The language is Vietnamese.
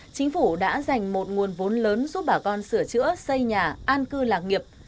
chính phủ đã dành một nguồn vốn lớn giúp bà con sửa chữa xây nhà an cư lạc nghiệp